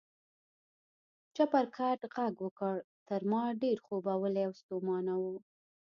چپرکټ غږ وکړ، تر ما ډېر خوبولی او ستومانه و.